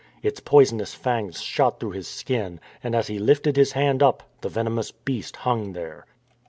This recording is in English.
Its poisonous fangs shot through his skin, and as he lifted his hand up the venomous beast hung there.